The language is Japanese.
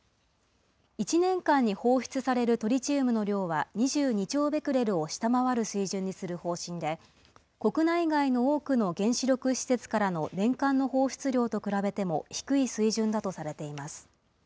１年間に放出されるトリチウムの量は２２兆ベクレルを下回る水準にする方針で、国内外の多くの原子力施設からの年間の放出量と比べても低い水準だとされています。